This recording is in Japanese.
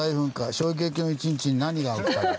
衝撃の１日に何があった？」。